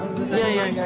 いやいや。